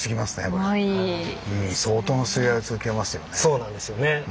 そうなんですよね。